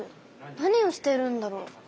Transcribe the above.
何をしているんだろう？